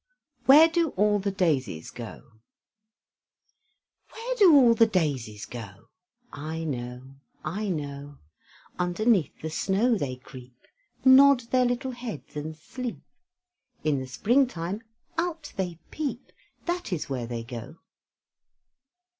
WHERE DO ALL THE DAISIES GO? Where do all the daisies go? I know, I know! Underneath the snow they creep, Nod their little heads and sleep, In the springtime out they peep; That is where they go!